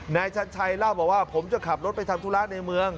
นายชัดชัยเล่าบอกว่าผมจะขับรถไปทำธุระในเมือง